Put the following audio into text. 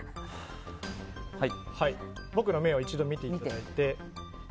僕の目を一度見ていただいて。